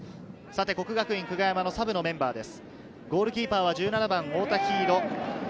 國學院久我山のサブのメンバーです。